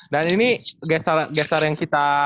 dan ini gesture yang kita